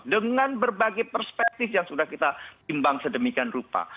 dengan berbagai perspektif yang sudah kita timbang sedemikian rupa